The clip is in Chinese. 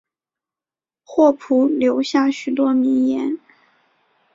霍普留下许多名言。